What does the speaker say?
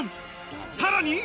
さらに。